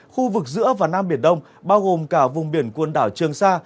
khu vực giữa và nam biển đông bao gồm cả vùng biển quần đảo trường sa